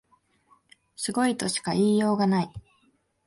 すごいとしか言いようがない